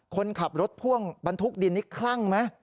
คนขับรถพ่วงบรรทุกดินนี่คลั่งไหม